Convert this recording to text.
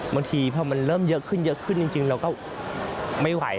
บางทีพอมันเริ่มเยอะขึ้นเยอะขึ้นจริงเราก็ไม่ไหว